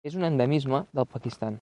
És un endemisme del Pakistan.